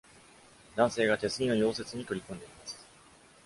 男性が手すりの溶接に取り組んでいます。